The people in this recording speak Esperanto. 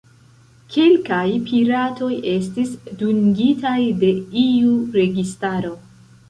Kelkaj piratoj estis dungitaj de iu registaro.